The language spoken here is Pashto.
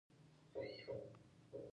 په جنګونو کې به یې کار اخیستی وي.